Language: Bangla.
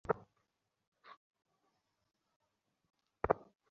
নিসার আলি বললেন, তিনটি ভিন্ন পরিস্থিতিতে বিড়ালের কথা টেপ করা হয়েছে।